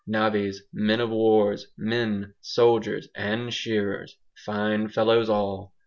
Navvies, men of war's men, soldiers, AND shearers fine fellows all.